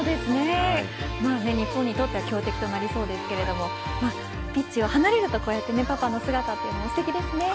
日本にとっては強敵となりそうですがピッチを離れると、こうやってパパの姿もすてきですね。